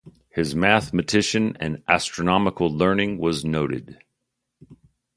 His mathematician and astronomical learning was noted.